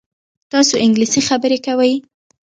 تاسو انګلیسي خبرې کوئ؟